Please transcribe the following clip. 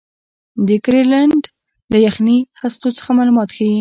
د ګرینلنډ له یخي هستو څخه معلومات ښيي.